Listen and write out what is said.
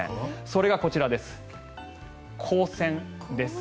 それがこちらです。